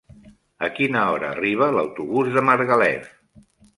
A quina hora arriba l'autobús de Margalef?